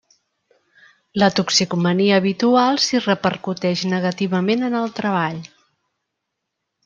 La toxicomania habitual si repercuteix negativament en el treball.